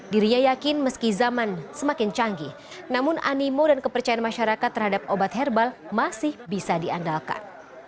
dirinya yakin meski zaman semakin canggih namun animo dan kepercayaan masyarakat terhadap obat herbal masih bisa diandalkan